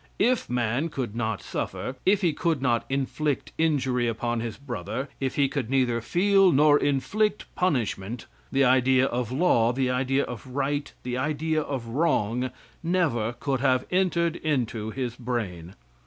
If man could not suffer, if he could not inflict injury upon his brother, if he could neither feel nor inflict punishment, the idea of law, the idea of right, the idea of wrong, never could have entered into his brain.